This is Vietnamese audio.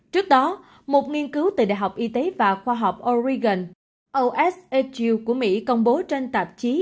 trước đó một nghiên cứu từ đại học y tế và khoa học origan osatu của mỹ công bố trên tạp chí